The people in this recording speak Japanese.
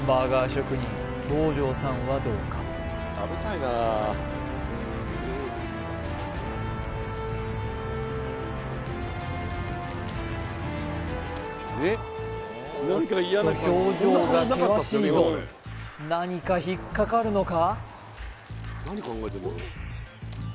職人東條さんはどうかおっと表情が険しいぞ何か引っかかるのか？